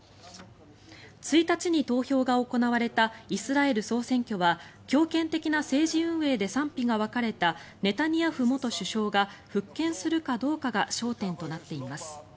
１日に投票が行われたイスラエル総選挙は強権的な政治運営で賛否が分かれたネタニヤフ元首相が復権するかどうかが焦点となっています。